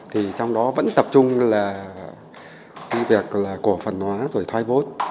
thì trong đó vẫn tập trung là cái việc là cổ phần hóa rồi thoai bốt